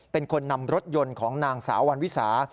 เป็นคนนำรถยนต์ของนางสาววันวิสา